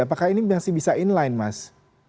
apakah ini masih bisa inline mas